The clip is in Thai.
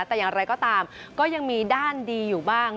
แต่อย่างไรก็ตามก็ยังมีด้านดีอยู่บ้าง